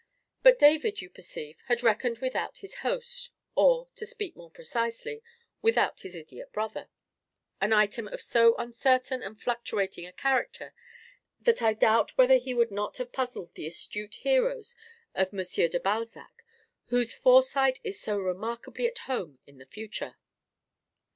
But David, you perceive, had reckoned without his host, or, to speak more precisely, without his idiot brother—an item of so uncertain and fluctuating a character, that I doubt whether he would not have puzzled the astute heroes of M. de Balzac, whose foresight is so remarkably at home in the future.